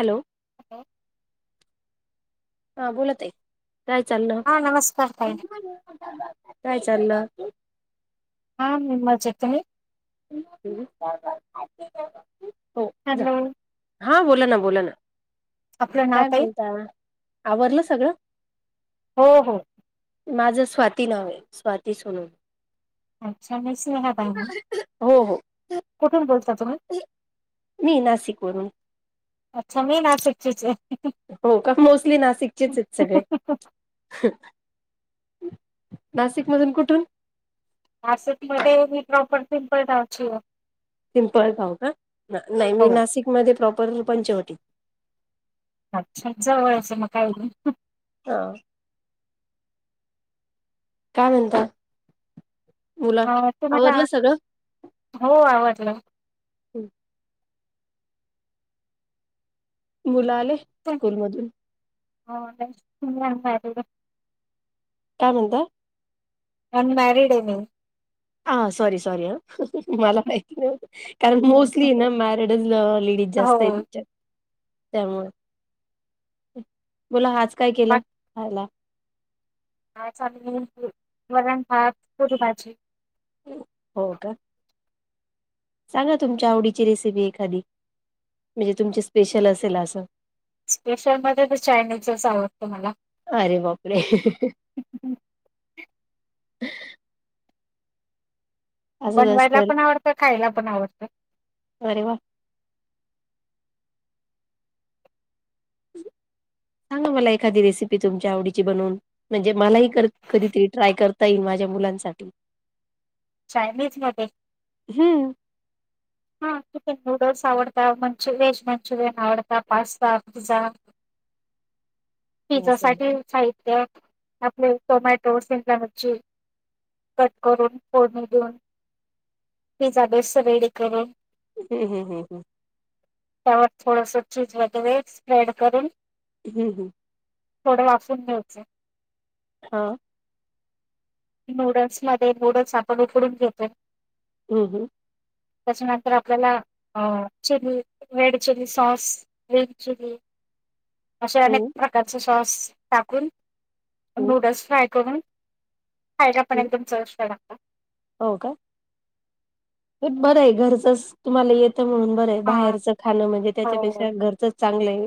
Hello, hello, हा बोलत आहे काय चाललं नमस्कार ताई काय चाललं हा मम्मला जेतन [unintelligible] जा हॅलो, हा बोला ना बोला ना. आपलं नाव काय ताई म्हणता आवरलं सगळं हो हो [inaudible] माझं स्वाती नाव आहे स्वाती सोनून [unintelligible] [unintelligible] कुठून बोलता तुम्ही मी नासिक वरून, अच्छा मीन आ शक् च हो का मोस्टली नाशिकचेच आहेत सगळे, नाशिक मधून कुठ आारसेट मध्ये मी प्रॉपर्टी प राची सिमपल पाऊ का नाही मी हो नाशिकमध्ये प्रॉपर पंचवटी, अच्छा जवळचं मग काय हा, काय म्हणता? मुलं अ तु मला आवरलं सगळं हो आवडलं होम्, मुला आले स्कूलमधून, हो, काय म्हणता? नन मॅरीड आहे मि ह सॉरी-सॉरी मला मैंती नै. कारण बरं. मोस्टली ना मॅरड जास्त आहे, हो त्यामुळे बोला आज काय केलं खयला ह स् वरण भात, पुरी बाजी हो [inaudible] का? सांगा तुमच्या आवडीची रेसिपी एखादी म्हणजे तुमची स्पेशल असेल असं स्पेशल मध्ये तर चायनीजच आवडतं मला, अरे [inaudible] असंच बनवायला असतं. पण आवडतं खायला पण आवडत अरे वाह! ह, मला एखादि रेसिपी तुमच्या आवडीच बून म्हणजे मला कधीरी ट्रय करता येईल माझ्या मुलां साठी [inaudible] चयनीज मध्ये, हं, हां किथ नूडल्स आवडत मंच वेज मंचुरियन आवड पास्ता पिझ्झा [inaudible] पिझ्झा असं. साठी साहित्य आपले तोमॅटो सिमलामची कट करून फोडणी देऊन पिझ्झा बेस रेडी करून हम्म हम् हम् हम्म, त्यावर थोडस चीज वगैरे स्प्रेड करून हम्म हम्म, थोडे वाफवून घ्याऊचे, हा नूडल्स मध्ये नूडल्स आपण उकडून घेतो. हम्म हम्म त्याच्यानंतर आपल्याला अ chilli red chilli sauce, green chilli [inaudible] असे अनेक हं, प्रकारचे सॉस टाकून हं, नूडल्स फ्राय करून खायला पण हं. एकदम चविष्ट लाग हो का? बरं आहे घरचंच तुम्हाला येत त म्हणून बरंय, हा बाहेरचं खाणं म्हणजे हो त्याच्यापेक्षा घरचंच चांगलं आहे.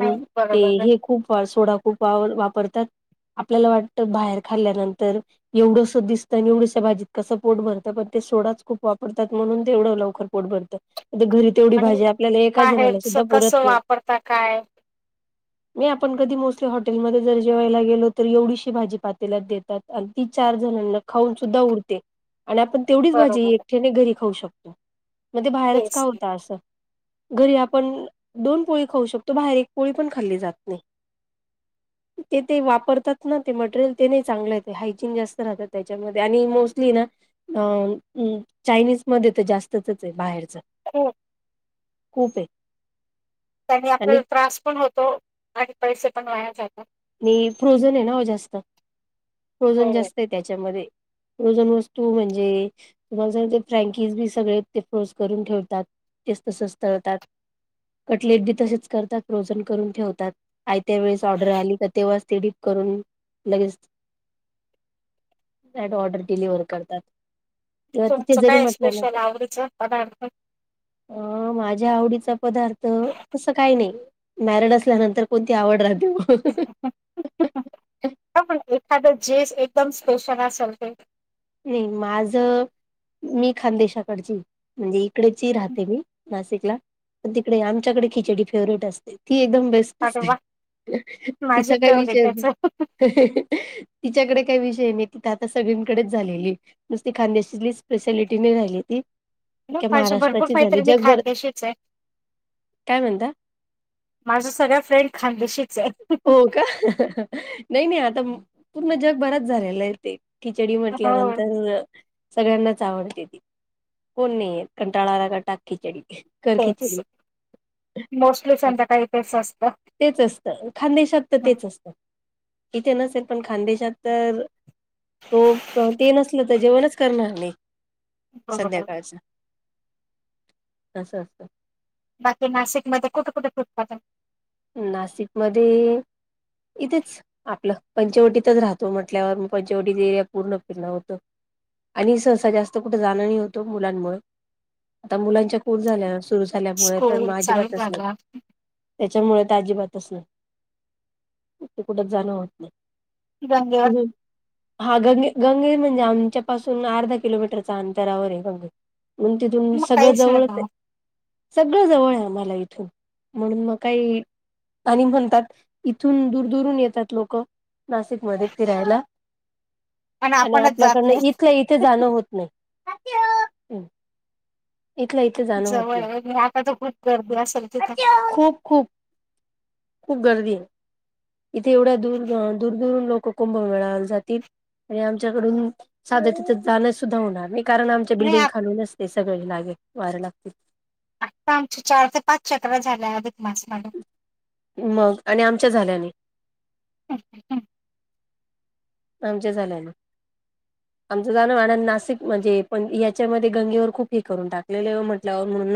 नाही ते बरोबर आहे. हे खूप अ सोडा खूप वा वापर तात, आपल्याला वाटतं बाहेर खाल्ल्यानंतर एवढंस दिसतं आणि एवढस भाजी कसं पोट भरतं पण ते सोडाच खूप वापरतात म्हणून तेवढं लवकर पोट भरतं. आता घरी तेवढी आणि भाजी आपल्याला एका जणाला बाहेरच सुद्धा पुरत कसं नाही. वापरता काय नाय आपण कधी मोस्टली हॉटेलमध्ये जर जेवायला गेलो, तरी एवढीशी भाजी पातेलात देतात आणि ती चार जण न खाऊन सुद्धा उरते. आणि आपण तेवढीच भाजी बरोबर आहे. एकठेने घरी खाऊ शकतो, मग ते बाहेरच का तेच होता असं? घरी आपण दोन पोळी खाऊ शकतो, बाहेर एक पोळी पण खाल्ली जात नाही. [inaudible] ते ते वापरतात ना ते मटेरियल ते नाही चांगलं, ते हायजीन जास्त राहतात त्याच्यामध्ये आणि मोस् ली ना, अ चायनीज मध्ये तर जास्तचच आहे बाहेरचं. हो खूप आहे. त्यानी आणि आपल्याला त्रास पण होतो आणि पैसे पण वाया जातात. आणि फ्रोझन आहे ना हो जास्त, फ्रोझन हो जास्त आहे त्याच्यामध्ये. फ्रोजन वस्तू म्हणजे, तुम्हाला सांगते फ्रँकीज बी सगळे ते फ्रोज करून ठेवतात. तेच तसच तळतात. कटलेट बी तसेच करतात फ्रोजन करून ठेवतात, आयत्या वेळेस ऑर्डर आली तर तेव्हा तेच डीप करून लगेच [unintelligible] ऑर्डर डिलिव्हर करतात. किंवा तिथे तुमचं जरी काय आहे म्हटलं ना स्पेशल तर, आवडीच पदार्थ? अ माझ्या आवडीच ता पदार्थ तसं काही नाही, नारड असल्या नंतर कोणती आवड राहते. हा पण [unintelligible] एखादं जेस एकदम स्पेशल असंल ते. नी माझं, मी खानदेशाकडची. म्हणजे इकडची राहते मी, नाशिकला. पणं तिकडे आमच्याकडे खिचडी फेवरीट असते. ती एकदम बेस्ट अरे दिसते, वा माझी तिचा काय विचार फेवरेटच हिं, हिं हिं, तिच्याकडे काय विष ते, निता आता सगळींकडेच झालेली. नुसती खानदे शांतील स्पेशालिटी नाही राहिली ती. अख्या खूप अशा भरपूर महाराष्ट्राची झाली कांहीतरी भी जगभर खानदेशीचं हाय. काय म्हणता माझ्या सगळ्या फ्रेंड खानदेशी हो का, नाहीं नाहीं आता पूर्ण जगभरात झालेलं हाय ते. खिचडी हो म्हटल्यानंतर सगळ्यांनाच आवड [unintelligible] कोण नाही येत. कंटाळा आला की टाक खिचडी. कर तेच खिचडी. मोस्टली [unintelligible] संध्याकाळी तेच असतं. तेच असतं. खान्देशात तर हं. तेच असतं. इथे नसेल पणं खान्देशात तर हो, पण ते नसलं तर जेवणच करणार नाही. बरोबर संध्याकाळचं. असं असं. बाकी नाशिकमध्ये कुठ कुठ फुड उत्पादन नाशिक मध्यें इथेच, आपलं पंचवटीतच राहतो म्हंटल्यावर मंग पंचवटी एरिया पूर्ण फिरण होतं. आणि सहसा जास्तं कुठे जाणं नाहीं होतों मुलांमुळे आता मुलांच्या ई स्कूल सुरू झाल्या आता. सुर झाल्यामुळें तर स्कूल चालू अजिबातच नसेल. झाला त्यांच्यामुळे अजिबातच नाहीं, ते कुठच जाणं होतं नाहीं. धन्यवाद! हा गंगे गंगे म्हणजे आमच्या पासून अर्ध्या किलोमीटरच्या अंतरावर आहे गंगे. मण तिथून मग सगळं काहीच नाही जवळचं आहे, ना सगळं जवळ आहे. आम्हांला इथून म्हणून मंग कांहीं, आणि म्हणतात इथून दूर दूरून येतात लोकं. नाशिक मध्यें फिरायला आणि आपणच जात आपल्याकडं नाही इथल्या इथे जाणं होत नाही. हॉपि हो. इथल्या इथे जाणं होतं जवळ नाहीं, आहे म्हणजे आता तर खूप गर्दी असेल तिथं हॉहो खूप खूप खूप गर्दी आहे. इथे एवढ्या दूर दूर दुरून लोक कुंभमेळा साठी जातील आणि आमच्याकडून साध्य जाण सुद्धां होणारं नाहीं. कारणं आमच्या नाही बिल्डिंग खालून न असतें सगळें लागे वारे लागते. आता आमच्या चार ते पाच चक्ररा झाल्या अधिक मास मध्ये. मंग आणि आमच्या झाल्यानें. मध्ये आमच्या झाल्यानें. आमचं जाण म्हणार नाशिक मध्ये पण, यांच्यामध्ये गंगेवर खूप हे करून टाकले म्हंटल्यावर म्हणून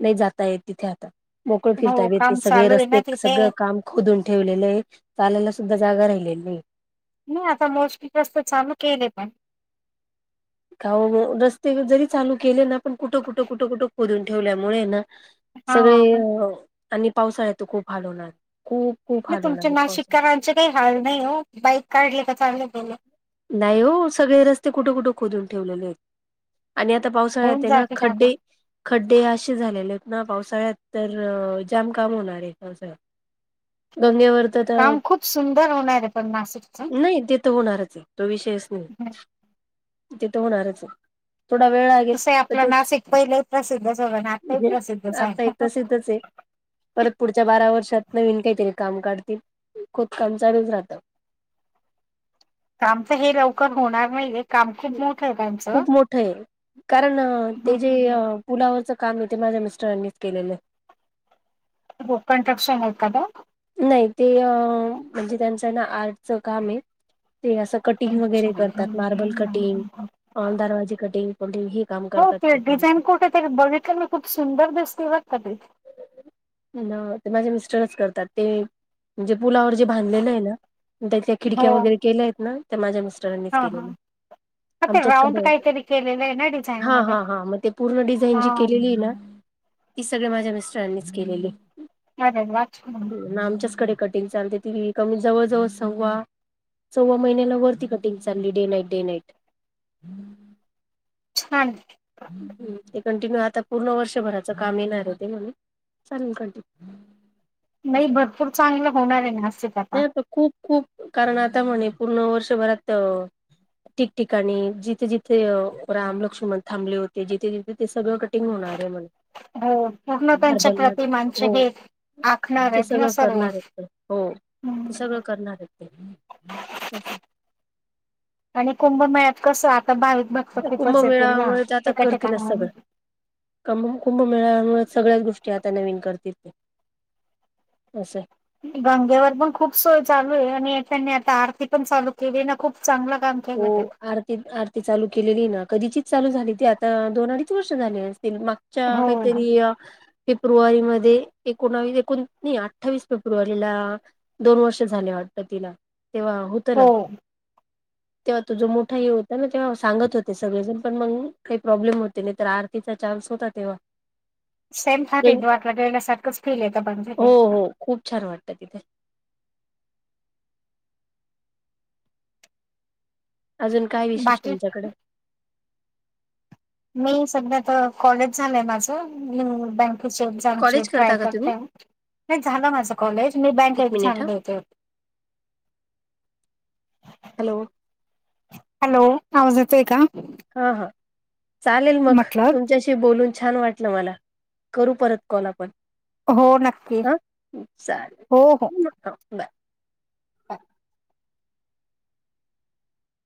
नाहीं जाता येत तिथे आता. मोकळं फिरता हो बि येत नाही काम ते सगळें चालू आहे ना रस्ते तिथे सगळं काम खोदून ठेवलेलं आहे चाला सु द्धां जागा राहिलेली नाहीं. नाहीं आता मोस्पिटस्त चांलू केलें पणं. काव मंग रस्ते जरी चालू केले ना पण कुठं कुठं कुठं कुठं खोदून ठेवल्यामुळे ना हा सगळें अ आणि पावसाळ्यातर खूप हाल होणार आहे. नाही तुमचे नाशिककरांचे काही हाल नाही हो बाईक काढले की चाले घेऊन. नाही हो सगळे रस्ते कुठं कुठं खोदून ठेवलेले आहेत. आणि आता होऊन पावसाळ्यात ना जातील आता खड्डे खड्डे असे झालेले आहेत ना पावसा सगळ्यात तर जाम काम होणारं पावसाळ्यात, धन्यवाद! काम खूप सुंदर होणार आहे पण नाशिकच नाही, ते तर होणारच आहे. तो विषयच नाही तिथ होणारच आहे. थोडा वेळ लागेल कसं आहे तर आपलं तेच नाशिक पहिलंही प्रसिद्धच होतं ना आताही प्रसिद्धच आता ह आहे प्रसिद्धच य. परत पुढच्या बारा वर्षात नवीन काहीतरी काम काढतील खोदकम चालूच राहत. आमच हे लवकर होणार नाही रे. खूप मोठ आहे कारण, ते जे पुलावरच काम य ते माझ्या मिस्टरांनीच केलेलं. रोड कनस्ट्रक्षन आहेत का तो? नाही ते अ म्हणजे त्यांचं ना आर्टच काम आहे. ते असं कटिंग वगैरे करतात. मार्बल कटिंग अ दरवाजी कटिंग पटिंग ह काम हो करतात ते त्यांच. डिझाईन कुठे तरी बघितलं मी खूप सुंदर दिसते बघ का ते ना ते माझे मिस्टरच करतात. ते म्हणजे, पुलावर जे बांधलेलं आहे ना त्या त्या हो खिडक्या वगैरे केल्या आहेत ना त्या माझ्या मिस्टरांनीच हा हा केलेल्या. हा ते आमच्याच राऊंड कडे काहीतरी केलेलं आहे ना डिझाईन हा मध्ये हा हा मग ते पूर्ण डिझाईन हा जी केलेली आहे ना ती सगळे माझ्या मिस्टरांनीच केलेले. अर वाच [unintelligible] कटिंग चालते ती कमी जवळ जवळ सव्वा सव्वा महिन्याला वरती कटिंग चालली, डे नाईट डे नाईट. छान आहे. हम् ते कंटिन्यू आता पूर्ण वर्षभराचं काम येणार होते म्हणून, सन खंठी. नाही, भरपूर चांगलं होणार हाय नाशिक आता. नाही खूप खूप कारण आता म्हणे पूर्ण वर्षभरात ठिकठिकाणी जिथे जिथे अ रामलक्ष्मण थांबले होते, जिथे जिथे ते सगळं कटिंग होणार ए म्हण. हो पूर्ण त्यांच्या प्रतिमांची हो हे आखणार ते आहेत ना सगळं सर्व करणार आहेत तर, हो. ते हम्म. सगळं करणार आहेत तस. आणि कुंभ मेळ्यात कसं आ ता भाविक भक्त ते खूपच येतील ना, कुंभमेळामुळे ठीक ठिकाणावरून कम कुंभमेळ्यामुळे सगळ्याच गोष्टी ते आता नवीन करतील ते असंय. गंगेवर पण खूप सोय चालू ए आणि त्यांनी आता आरती पण चालू केली ना, खूप चांगलं काम हो केलं ते आरती आरती चालू केलेली ना, कधीचीच चालू झाली. ती आता दोन अडीच वर्ष झाले असतील. तीन मागच्या हो काहीतरी अ फेब्रुवारी मध्ये एकोणावीस एकोण अठ्ठावीस फेब्रुवारीला दोन वर्ष झाले होते वाटते. वाट तिला तेव्हा होतं हो ना. तेव्हा तु जो मोठा हे होता ना तेव्हा सांगत होते सगळेजण, पण मग काही प्रॉब्लेम होते नाही तर आर्थिक चान्स होता तेव्हा. सेम हा वे दो आटलं क सारखच फील येता पण ज का? कधीपण? अजून काय विशेष बाकी तुमच्याकडे? मी सध्या तर कॉलेज झालंय माझ मी बँक तसच चांगचे कॉलेज काय करता का तुम्ही करतार नाही झालं माझं कॉलेज, मी बँक एक मिनिट एक्साम हा देते. [inaudible] हॅलो. हॅलो आवाज येतोय का? हा-हा चालेल मग म्हटलं तुमच्याशी बोलून छान वाटलं मला. करू परत कॉल आपण. हो नक्की आं हो हो चालेल [unintelligible] बाय.